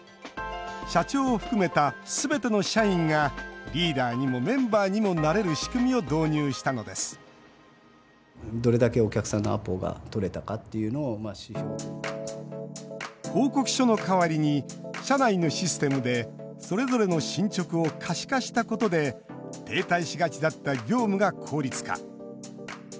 社長を含めたすべての社員がリーダーにもメンバーにもなれる仕組みを導入したのです報告書の代わりに社内のシステムでそれぞれの進捗を可視化したことで停滞しがちだった業務が効率化。